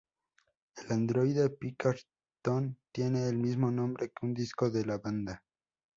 El androide Pinkerton, tiene el mismo nombre que un disco de la banda.